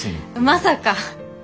まさか。